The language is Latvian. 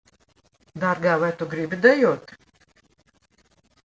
Dārgā, vai tu gribi dejot?